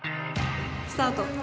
スタート。